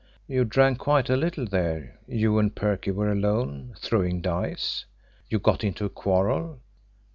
You drank quite a little there. You and Perley were alone, throwing dice. You got into a quarrel.